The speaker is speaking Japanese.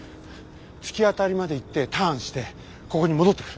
突き当たりまで行ってターンしてここに戻ってくる。